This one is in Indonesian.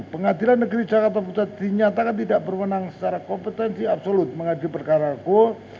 pengadilan negeri jakarta putra dinyatakan tidak berwenang secara kompetensi absolut mengadili perkara aku